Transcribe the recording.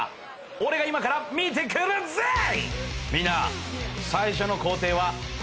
俺が今から見てくるぜい！